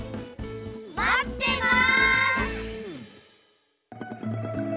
まってます！